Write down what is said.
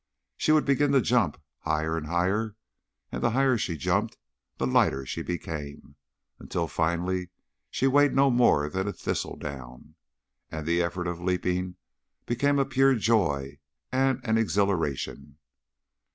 She would begin to jump, higher and higher, and the higher she jumped the lighter she became, until finally she weighed no more than a thistledown, and the effort of leaping became a pure joy and an exhilaration.